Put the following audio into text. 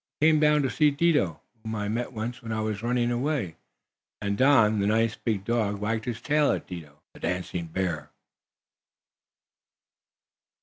I came down to see Dido, whom I met when I was running away," and Don, the nice, big dog, wagged his tail at Dido, the dancing bear.